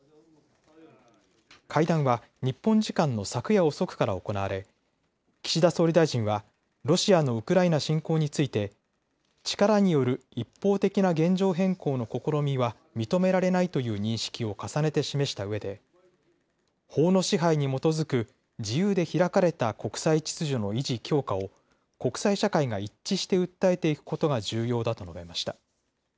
会談は日本時間の昨夜遅くから行われ岸田総理大臣はロシアのウクライナ侵攻について力による一方的な現状変更の試みは認められないという認識を重ねて示したうえで法の支配に基づく自由で開かれた国際秩序の維持・強化を国際社会が一致して訴えていくことが重要だと述べました。